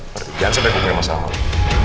jangan sampai gue punya masalah sama lu